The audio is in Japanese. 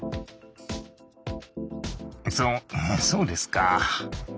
そそうですか。